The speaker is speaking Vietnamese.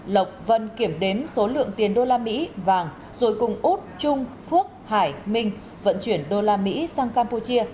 lộc vân kiểm đếm số lượng tiền đô la mỹ vàng rồi cùng út trung phước hải minh vận chuyển đô la mỹ sang campuchia